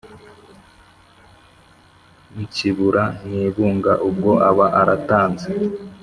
Ntsibura Nyebunga ubwo aba aratanze